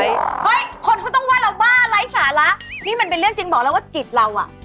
เฮ้ยคนเขาต้องว่าเราบ้าไร้สาระนี่มันเป็นเรื่องจริงบอกแล้วว่าจิตเราอ่ะ